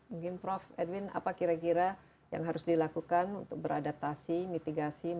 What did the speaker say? mungkin prof edwin apa kira kira yang harus dilakukan untuk beradaptasi mitigasi